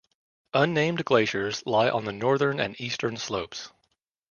Unnamed glaciers lie on the northern and eastern slopes.